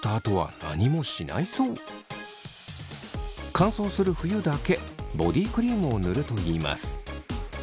乾燥する冬だけボディクリームを塗るといいます。